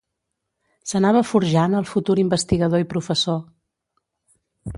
S'anava forjant el futur investigador i professor.